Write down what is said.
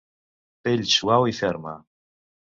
Pell suau i ferma.